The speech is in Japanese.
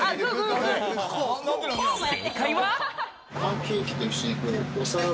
正解は。